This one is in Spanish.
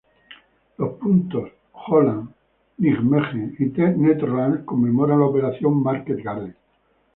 Los puntos Holland, Nijmegen y Netherlands conmemoran la Operación Market-Garden.